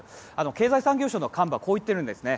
経済産業省の幹部はこう言っています。